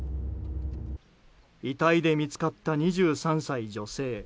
遺体で見つかった２３歳女性。